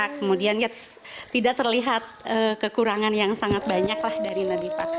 kemudian ya tidak terlihat kekurangan yang sangat banyak lah dari nadipak